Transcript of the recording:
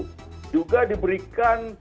itu juga diberikan